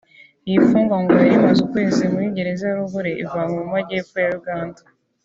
Iyi mfungwa ngo yari imaze ukwezi muri Gereza ya Lugore ivanywe mu Majyepfo ya Uganda